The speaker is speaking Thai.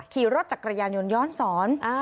ขี่รถจักรยานยนต์ย้อนสอน